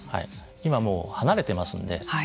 今もう離れていますので。